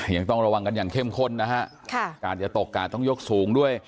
ยังต้องระวังอย่างเข้มข้นนะฮะการอย่าตกการยกสูงด้วย